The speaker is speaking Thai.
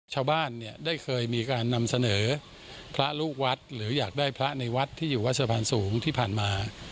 ชาวบ้านเนี่ยได้เคยมีการนำเสนอพระลูกวัดหรืออยากได้พระในวัดที่อยู่วัดสะพานสูงที่ผ่านมา